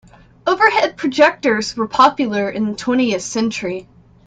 Overhead projectors were popular in the twentieth century.